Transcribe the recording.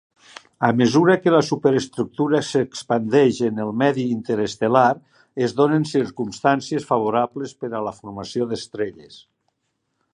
A mesura que la superestructura s'expandeix en el medi interestel·lar, es donen circumstàncies favorables per a la formació d'estrelles.